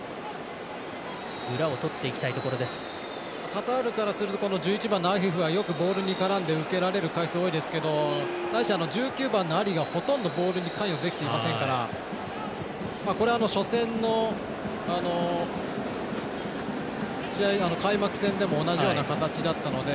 カタールからすると１１番のアフィフはよくボールに絡んで受けられる回数多いですけど１９番のアリがほとんどボールに関与できていませんからこれは初戦の試合、開幕戦でも同じような形だったので。